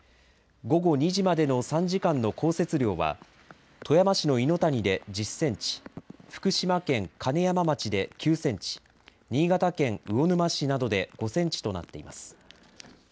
午後２時までの３時間の降雪量は富山市の猪谷で１０センチ、福島県金山町で９センチ、新潟県魚沼市などで５センチとなっています。